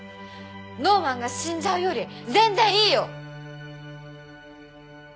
ノーマンが死んじゃうより全然いいよ！